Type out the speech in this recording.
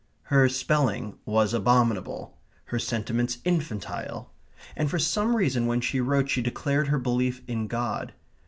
Her spelling was abominable. Her sentiments infantile. And for some reason when she wrote she declared her belief in God.